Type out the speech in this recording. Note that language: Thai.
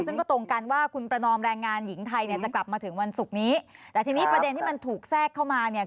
ซึ่งก็ตรงกันว่าคุณประนอมแรงงานหญิงไทยเนี่ยจะกลับมาถึงวันศุกร์นี้แต่ทีนี้ประเด็นที่มันถูกแทรกเข้ามาเนี่ย